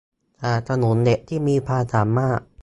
สนับสนุนเด็กที่มีความสามารถ